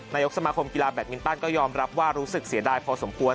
นายกสมาคมกีฬาแบตมินตันก็ยอมรับว่ารู้สึกเสียดายพอสมควร